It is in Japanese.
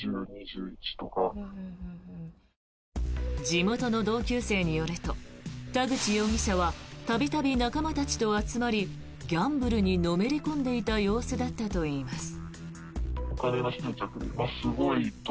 地元の同級生によると田口容疑者は度々、仲間たちと集まりギャンブルにのめり込んでいた様子だったといいます。